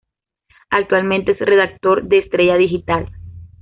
Actualmente es redactor de Estrella Digital